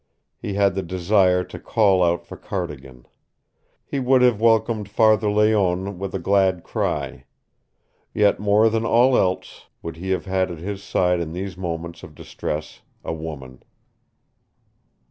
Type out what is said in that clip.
He had the desire to call out for Cardigan. He would have welcomed Father Layonne with a glad cry. Yet more than all else would he have had at his side in these moments of distress a woman.